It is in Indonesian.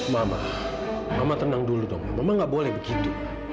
mama mama tenang dulu dong mama gak boleh begitu